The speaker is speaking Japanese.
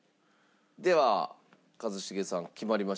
では一茂さん決まりましたでしょうか？